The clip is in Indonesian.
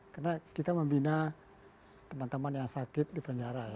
karena kita membina teman teman yang sakit di penjara ya